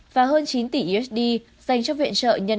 và hơn chín tỷ usd dành cho viện trợ nhân